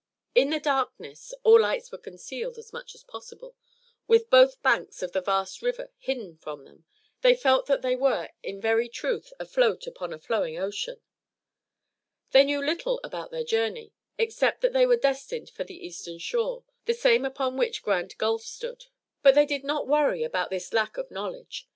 In the darkness all lights were concealed as much as possible with both banks of the vast river hidden from them, they felt that they were in very truth afloat upon a flowing ocean. They knew little about their journey, except that they were destined for the eastern shore, the same upon which Grand Gulf stood, but they did not worry about this lack of knowledge.